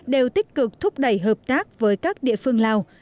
đều tích cực thúc đẩy hợp tác với các địa phương lào